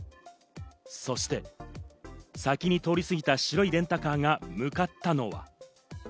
そして、先に通り過ぎた白いレンタカーが向かったのは。